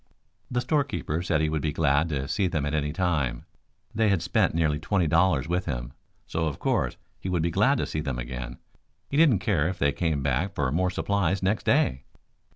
The storekeeper said he would be glad to see them at any time. They had spent nearly twenty dollars with him, so of course he would be glad to see them again. He didn't care if they came back for more supplies next day.